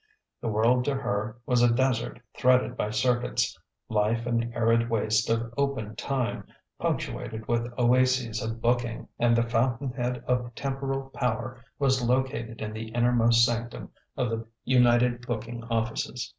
The world to her was a desert threaded by "circuits," life an arid waste of "open time" punctuated with oases of "booking"; and the fountainhead of temporal power was located in the innermost sanctum of the United Booking Offices.